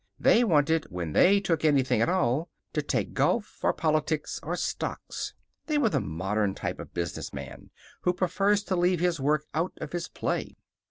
They wanted, when they took anything at all, to take golf, or politics, or stocks. They were the modern type of businessman who prefers to leave his work out of his play.